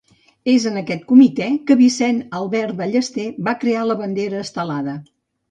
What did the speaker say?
És en aquest comitè que Vincent Albert Ballester va crear la bandera estelada.